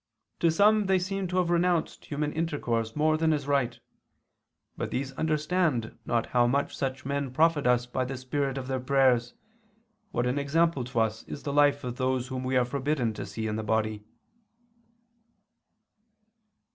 To some they seem to have renounced human intercourse more than is right: but these understand not how much such men profit us by the spirit of their prayers, what an example to us is the life of those whom we are forbidden to see in the body."